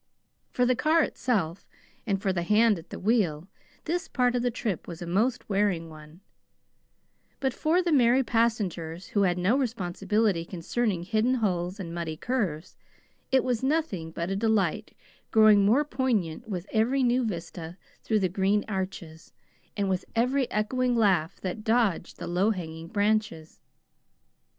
For the car itself, and for the hand at the wheel, this part of the trip was a most wearing one; but for the merry passengers, who had no responsibility concerning hidden holes and muddy curves, it was nothing but a delight growing more poignant with every new vista through the green arches, and with every echoing laugh that dodged the low hanging branches.